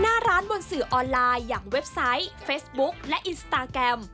หน้าร้านบนสื่อออนไลน์อย่างเว็บไซต์เฟซบุ๊คและอินสตาแกรม